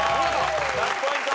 １００ポイント。